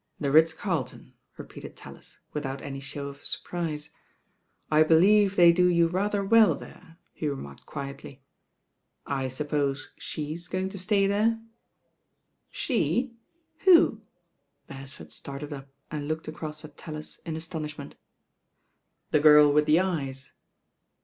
"The Ritz Carlton," repeated Tallis, without any ahow of surprise "I believe they do you rather weU there, he remarked quietly. "I suppose she's going to stay there." *^ "She! Who?" Beresford started up and looked across at Tallis in astonishment. "The girl with the eyes."